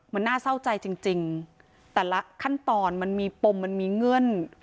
มันน่าเศร้าใจจริงแต่ละขั้นตอนมันมีปมมันมีเงื่อน